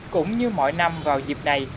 cũng như mọi năm vào dịp này